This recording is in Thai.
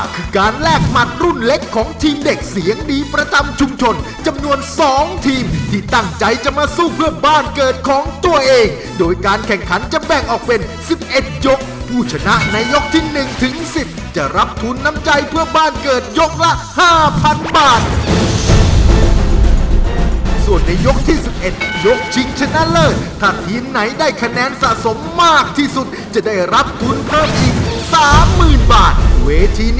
คือการแลกหมัดรุ่นเล็กของทีมเด็กเสียงดีประจำชุมชนจำนวน๒ทีมที่ตั้งใจจะมาสู้เพื่อบ้านเกิดของตัวเองโดยการแข่งขันจะแบ่งออกเป็น๑๑ยกผู้ชนะในยกที่๑ถึง๑๐จะรับทุนน้ำใจเพื่อบ้านเกิดยกละห้าพันบาทส่วนในยกที่๑๑ยกชิงชนะเลิศถ้าทีมไหนได้คะแนนสะสมมากที่สุดจะได้รับทุนเพิ่มอีก๓๐๐๐บาทเวที